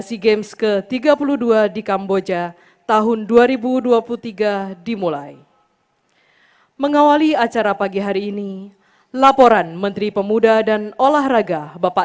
raya kebangsaan indonesia raya